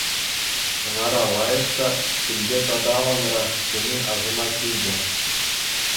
Хӑнара лайӑх та, килте тата аванрах тени асӑма килчӗ.